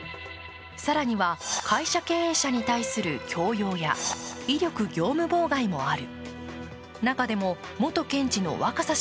更には会社経営者に対する強要や威力業務妨害もある。